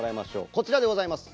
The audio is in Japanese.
こちらでございます。